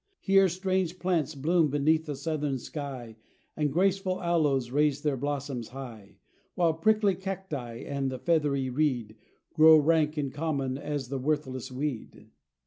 Here strange plants bloom beneath this southern sky, And graceful aloes raise their blossoms high, While prickly cacti and the feathery reed Grow rank and common as the worthless weed.